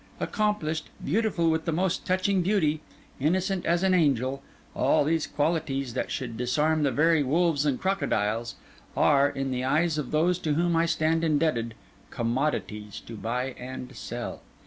—accomplished, beautiful with the most touching beauty, innocent as an angel—all these qualities that should disarm the very wolves and crocodiles, are, in the eyes of those to whom I stand indebted, commodities to buy and sell.